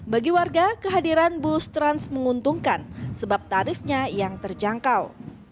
bagi warga kehadiran bus trans menguntungkan sebab tarifnya yang terjangkau